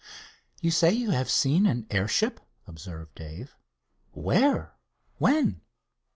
"You say you have seen an airship," observed Dave. "Where? when?"